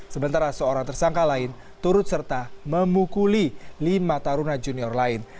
sementara seorang tersangka lain turut serta memukuli lima taruna junior lain